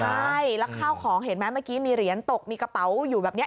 ใช่แล้วข้าวของเห็นไหมเมื่อกี้มีเหรียญตกมีกระเป๋าอยู่แบบนี้